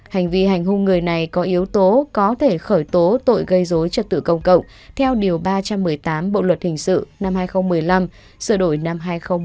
hành vi hành hung người này có yếu tố có thể khởi tố tội gây dối trật tự công cộng theo điều ba trăm một mươi tám bộ luật hình sự năm hai nghìn một mươi năm sửa đổi năm hai nghìn một mươi bảy